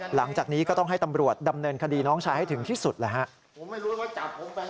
หลังจากนี้ก็ต้องให้ตำรวจดำเนินคดีน้องชายให้ถึงที่สุดแหละครับ